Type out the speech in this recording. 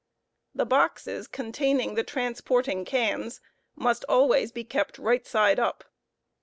The boxes containing the transporting cans must always be kept right side up.